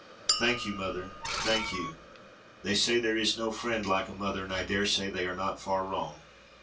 "Thank you, mother! thank you! they say there is no friend like a mother, and I dare say they are not far wrong."